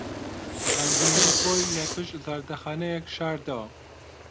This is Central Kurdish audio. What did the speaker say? خەمگینیی خۆی لەپشت زەردەخەنەیەک شاردەوە.